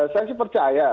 saya sih percaya